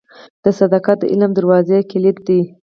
• صداقت د علم د دروازې کلید دی.